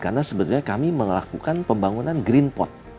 karena sebenarnya kami melakukan pembangunan green pot